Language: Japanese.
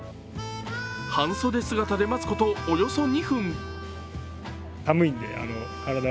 半袖姿で待つことおよそ２分。